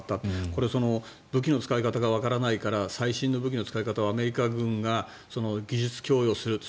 これ、武器の使い方がわからないから最新の武器の使い方をアメリカ軍が技術供与すると。